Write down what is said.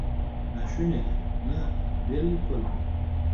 ناشونې ده؟ نه، بالکل نه!